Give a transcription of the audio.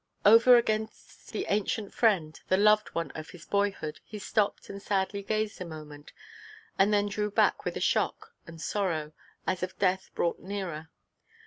Over against the ancient friend, the loved one of his boyhood, he stopped and sadly gazed a moment, and then drew back with a shock and sorrow, as of death brought nearer.